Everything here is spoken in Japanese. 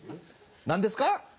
何ですか？